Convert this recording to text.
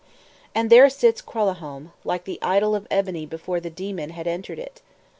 And there sits the Kralahome, like the idol of ebony before the demon had entered it!